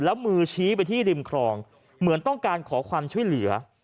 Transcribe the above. แล้วมือชี้ไปที่ริมครองเหมือนต้องการขอความช่วยเหลือ